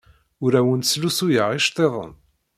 Ur awent-slusuyeɣ iceḍḍiḍen.